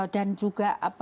dan juga apa